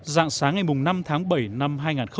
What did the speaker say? giạng sáng ngày năm tháng bảy năm hai nghìn một mươi bảy